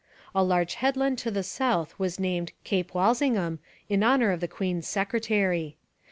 A large headland to the south was named Cape Walsingham in honour of the queen's secretary.